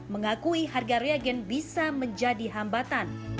mengakui harga reagen bisa menjadi hambatan